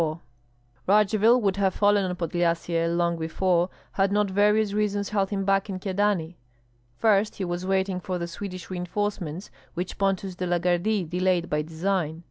Radzivill would have fallen on Podlyasye long before, had not various reasons held him back in Kyedani. First, he was waiting for the Swedish reinforcements, which Pontus de la Gardie delayed by design.